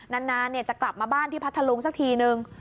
นานจะกลับมาบ้านที่พัทธลุงสักทีนึง